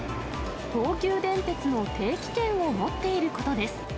東急電鉄の定期券を持っていることです。